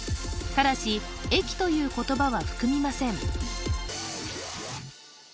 ただし「駅」という言葉は含みません